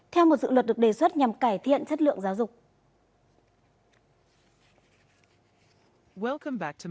theo một dự luật được đề xuất nhằm cải thiện chất lượng giáo dục